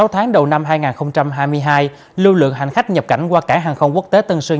sáu tháng đầu năm hai nghìn hai mươi hai lưu lượng hành khách nhập cảnh qua cảng hàng không quốc tế tân sơn